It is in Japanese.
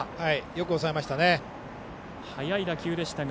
よく抑えましたね。